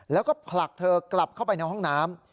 แล้วก็ผลักเธอกลับเข้าไปในห้องน้ำ